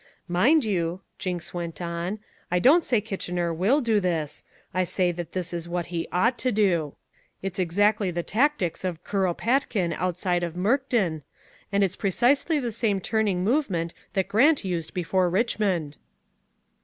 "Mind you," Jinks went on, "I don't say Kitchener WILL do this: I say this is what he OUGHT to do: it's exactly the tactics of Kuropatkin outside of Mukden and it's precisely the same turning movement that Grant used before Richmond."